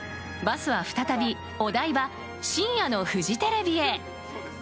バスは再びお台場深夜のフジテレビへ。